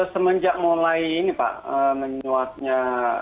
semenjak mulai ini pak menyuapnya